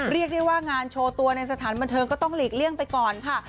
เรียกได้ว่างานโชว์ตัวในสถานบันเทิงก็ต้องหลีกเลี่ยงไปก่อนค่ะ